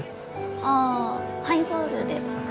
ああハイボールで。